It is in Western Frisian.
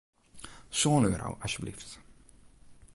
Sân euro, asjeblyft.